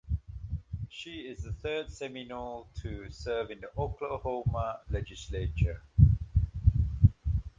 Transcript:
She is the third Seminole to serve in the Oklahoma Legislature.